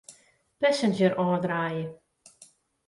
Passenger ôfdraaie.